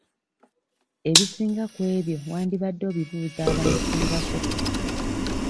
Ebisinga ku ebyo wandibadde obibuuza abansingako.